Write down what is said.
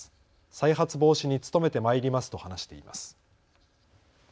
再発防止に努めてまいりますと話しています。